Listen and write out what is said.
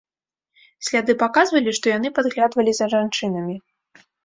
Сляды паказвалі, што яны падглядвалі за жанчынамі.